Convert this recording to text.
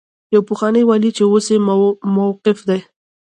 يو پخوانی والي چې اوس موقوف دی.